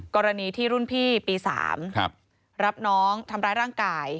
กรณีที่รุ่นพี่ปี๓รับน้องทำร้ายร่างกาย